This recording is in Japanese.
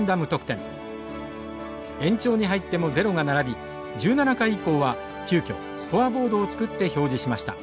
延長に入ってもゼロが並び１７回以降は急きょスコアボードを作って表示しました。